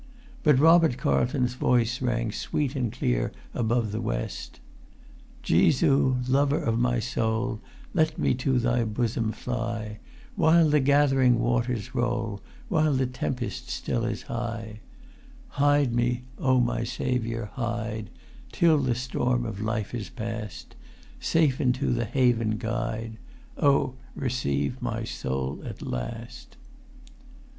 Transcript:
But Robert Carlton's voice rang sweet and clear above the rest:— "Jesu, Lover of my soul, Let me to Thy Bosom fly, While the gathering waters roll, While the tempest still is high: Hide me, O my Saviour, hide, Till the storm of life is past: Safe into the haven guide, O receive my soul at last